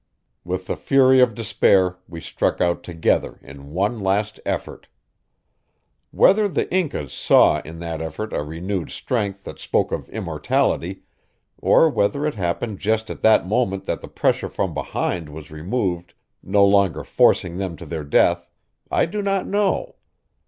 With the fury of despair we struck out together in one last effort. Whether the Incas saw in that effort a renewed strength that spoke of immortality, or whether it happened just at that moment that the pressure from behind was removed, no longer forcing them to their death, I do not know.